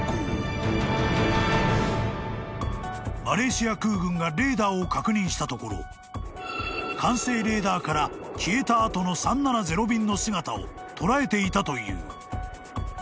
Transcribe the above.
［マレーシア空軍がレーダーを確認したところ官制レーダーから消えた後の３７０便の姿を捉えていたという］